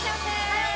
はい！